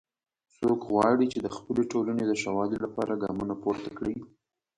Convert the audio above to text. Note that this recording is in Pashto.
څوک غواړي چې د خپلې ټولنې د ښه والي لپاره ګامونه پورته کړي